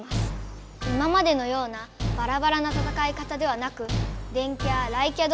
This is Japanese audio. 今までのようなバラバラな戦い方ではなく電キャ雷キャ